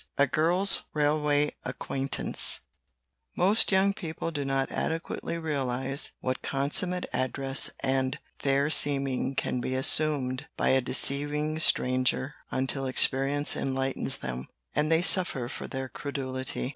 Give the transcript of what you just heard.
A GIRL'S RAILWAY ACQUAINTANCE Most young people do not adequately realize what consummate address and fair seeming can be assumed by a deceiving stranger until experience enlightens them, and they suffer for their credulity.